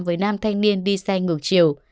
với nam thanh niên đi xe ngược chiều